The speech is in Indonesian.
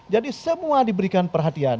jadi semua diberikan perhatian